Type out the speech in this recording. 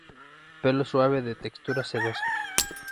Pelo suave de textura sedosa.